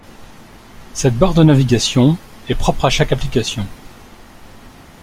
Cette barre de navigation est propre à chaque application.